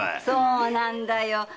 そうなんだよ。